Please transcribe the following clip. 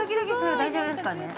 大丈夫ですかね。